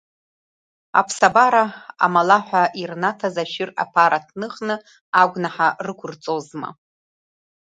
Аԥсабара амалаҳәа ирнаҭаз ашәыр аԥара аҭныхны агәнаҳа рықәырҵозма?